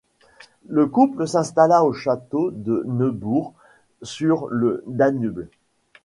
Le couple s'installa au château de Neubourg-sur-le-Danube.